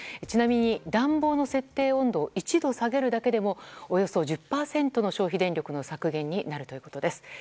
ちなみに暖房の設定温度を１度下げるだけでもおよそ１０％の消費電力の削減になるということです。